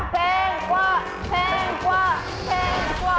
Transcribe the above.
แพงกว่าแพงกว่าแพงกว่า